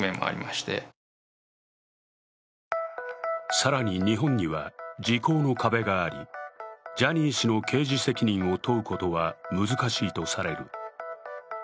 更に日本には時効の壁があり、ジャニー氏の刑事責任を問うことは難しいとされる。